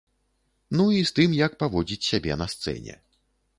Ну і з тым, як паводзіць сябе на сцэне.